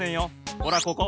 ほらここ！